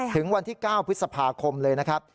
ถึงวันที่๙พฤษภาคมเลยนะครับ